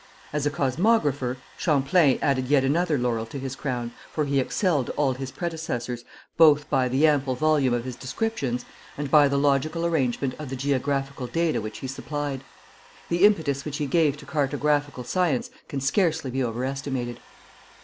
As a cosmographer, Champlain added yet another laurel to his crown, for he excelled all his predecessors, both by the ample volume of his descriptions and by the logical arrangement of the geographical data which he supplied. The impetus which he gave to cartographical science can scarcely be overestimated.